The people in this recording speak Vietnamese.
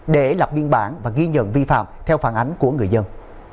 để lập biên bản và ghi nhận vi phạm theo phản ánh của người dân